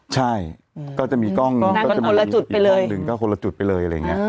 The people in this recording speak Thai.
ใช่ก็จะมีกล้องหนึ่งก็คนละจุดไปเลย